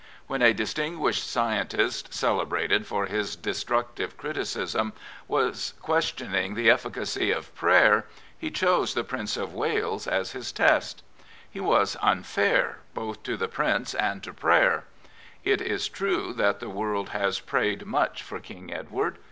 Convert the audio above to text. When a distinguished scientist, celebrated King Edward VII for his destructive criticism, was questioning the efi&cacy of prayer, he chose the Prince of Wales as his test. He was unfair both to the Prince and to prayer. It is true that the world has prayed much for King Edward.